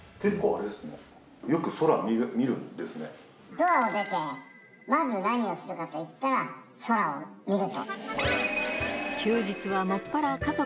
ドアを出てまず何をするかといったら空を見る。